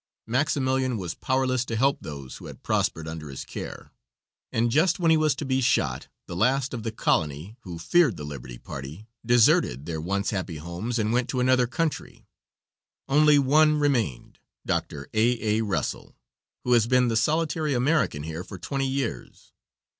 Maximilian was powerless to help those who had prospered under his care, and just when he was to be shot the last of the colony, who feared the liberty party, deserted their once happy homes and went to another country. Only one remained, Dr. A. A. Russell, who has been the solitary American here for twenty years.